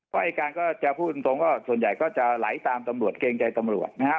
อายการก็จะพูดตรงว่าส่วนใหญ่ก็จะไหลตามตำรวจเกรงใจตำรวจนะครับ